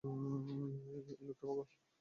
এই লোকটা পাগল।